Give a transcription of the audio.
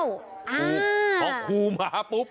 ครูเพราะครูมาปุ๊บ